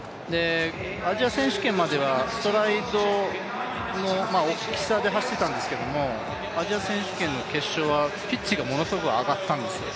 アジア選手権まではストライドの大きさで走っていたんですけれども、アジア選手権の決勝はピッチがものすごく上がったんですよ。